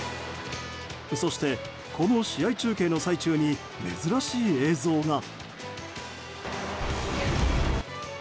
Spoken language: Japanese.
そして、この試合中継の最中に珍しい映像が。